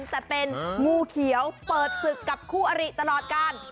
แต่เป็นงูเขียวเปิดศึกกับคู่อริตลอดการ